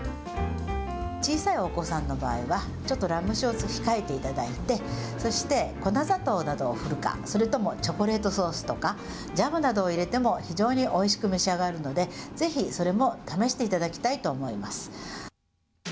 小さいお子さんの場合は、ちょっとラム酒を控えていただいて、そして粉砂糖などをふるか、それともチョコレートソースとか、ジャムなどを入れても、非常においしく召し上がれるので、ぜひ、それも試していただきたいと思います。